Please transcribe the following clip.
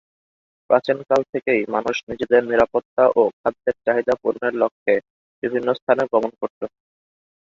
প্রাচীন কাল থেকেই মানুষ নিজের নিরাপত্তা ও খাদ্যের চাহিদা পূরণের লক্ষ্যে বিভিন্ন স্থানে গমন করতো।